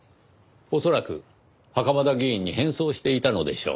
恐らく袴田議員に変装していたのでしょう。